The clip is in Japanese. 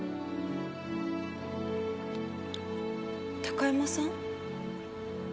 高山さん？